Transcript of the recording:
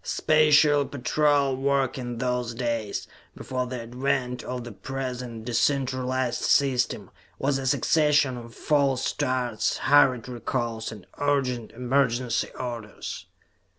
Special Patrol work in those days, before the advent of the present de centralized system, was a succession of false starts, hurried recalls, and urgent, emergency orders.